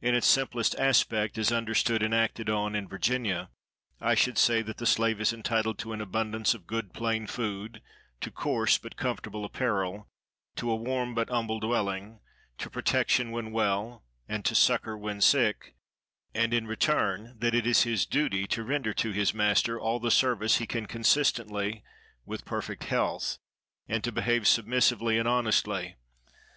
In its simplest aspect, as understood and acted on in Virginia, I should say that the slave is entitled to an abundance of good plain food; to coarse but comfortable apparel; to a warm but humble dwelling; to protection when well, and to succor when sick; and, in return, that it is his duty to render to his master all the service he can consistently with perfect health, and to behave submissively and honestly.